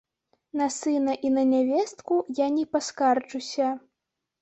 На сына і на нявестку я не паскарджуся.